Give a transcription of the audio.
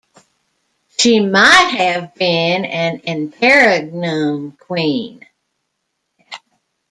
She might have been an interregnum queen.